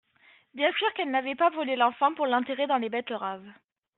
Bien sûr qu'elle n'avait pas volé l'enfant pour l'enterrer dans les betteraves.